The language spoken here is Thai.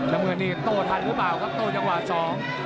น้ำเงินนี่โต้ทันหรือเปล่าครับโต้จังหวะสอง